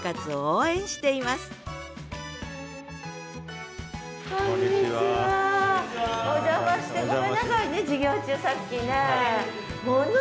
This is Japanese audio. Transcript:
お邪魔してごめんなさいね授業中さっきね。